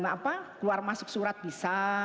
keluar masuk surat bisa